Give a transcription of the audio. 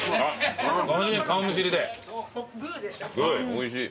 おいしい。